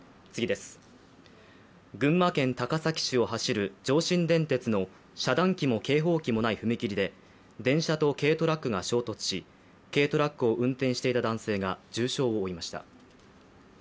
群馬県高崎市を走る上信電鉄の遮断機も警報機もない踏切で電車と軽トラックが衝突し軽トラックを運転していた男性が重傷を負いました。